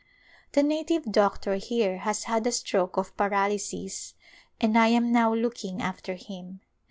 The native doctor here has had a stroke of paralysis and I am now looking after him.